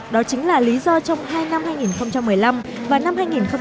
đó chính là lý do trong hai năm hai nghìn một mươi năm và năm hai nghìn một mươi tám